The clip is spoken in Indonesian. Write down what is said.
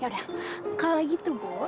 yaudah kalau gitu bu